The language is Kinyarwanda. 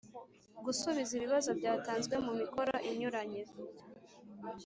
gusubiza ibibazo byatanzwe mu mikoro inyuranye,